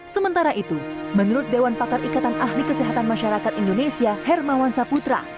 sementara itu menurut dewan pakar ikatan ahli kesehatan masyarakat indonesia hermawan saputra